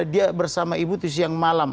dia bersama ibu itu siang malam